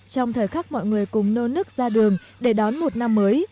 trong thời khắc mọi người cùng nô nức ra đường để đón một năm mới